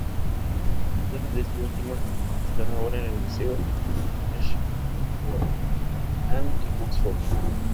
Los cuadros de esta última están ahora en el Museo Ashmolean en Oxford.